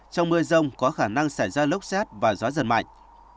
trong mưa rông có khả năng xảy ra lốc xét và gió giật mạnh